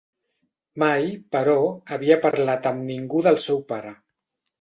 Mai, però, havia parlat amb ningú del seu pare.